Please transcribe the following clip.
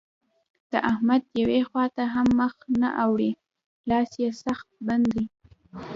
د احمد يوې خوا ته هم مخ نه اوړي؛ لاس يې سخت بند دی.